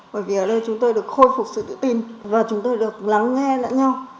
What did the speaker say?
bởi vì ở đây chúng tôi được khôi phục sự tự tin và chúng tôi được lắng nghe lẫn nhau